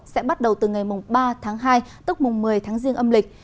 sẽ bắt đầu từ ngày ba tháng hai tức mùng một mươi tháng riêng âm lịch